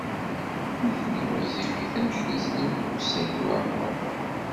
Nitni ɣezzifit anect n Sliman U Saɛid Waɛmaṛ U Muḥ.